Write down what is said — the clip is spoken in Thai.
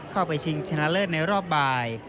เข้าไปชิงชนะเลิศในรอบบ่าย